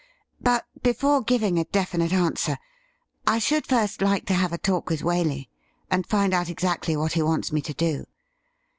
But before giving a definite answer, I should first like to have a talk with Waley and find out exactly what he wants me to do.